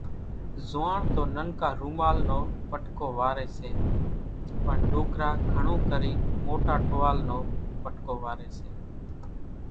زوئاڻ تو ننڪا رومال نو پٽڪو واريَ سي، پڻ ڏوڪرا گھڻون ڪرين موٽا ٽووال نو پٽڪو واريَ سي۔